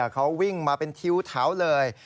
เขาวิ่งมาเป็นทิ้วแถวเลย